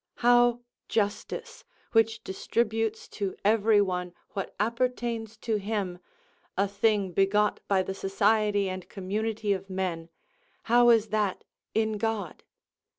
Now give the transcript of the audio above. How justice, which distributes to every one what appertains to him, a thing begot by the society and community of men, how is that in God?